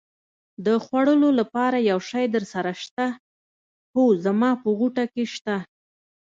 د خوړلو لپاره یو شی درسره شته؟ هو، زما په غوټه کې شته.